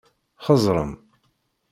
Xeẓẓṛem!